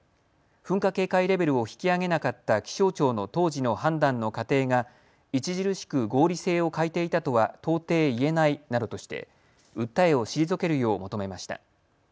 噴火警戒レベルを引き上げなかった気象庁の当時の判断の過程が著しく合理性を欠いていたとは到底言えないなどとして訴えを退けるよう求めました。